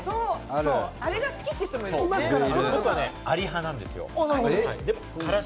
あれが好きっていう人もいますから。